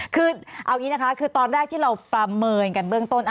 คือเอาอย่างนี้นะคะคือตอนแรกที่เราประเมินกันเบื้องต้น